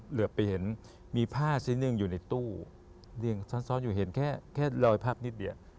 เหลือไปเห็นมีผ้าชิ้นหนึ่งอยู่ในตู้เรียงซ้อนอยู่เห็นแค่รอยพับนิดเดียว